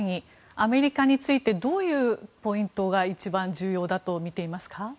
アメリカについてどういうポイントが一番重要だと見ていますか。